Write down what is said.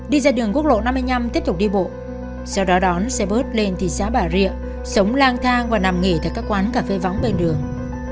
đi ra đường quốc lộ năm mươi năm tiếp tục đi bộ sau đó đón xe bớt lên thị xã bà rịa sống lang thang và nằm nghỉ tại các quán cà phê vóng bên đường